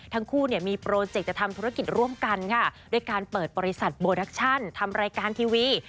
ทั้งคู่เนี่ยมีโปรเจกต์จะทำธุรกิจร่วมกันค่ะด้วยการเปิดบริษัทโปรดักชั่นทำรายการทีวี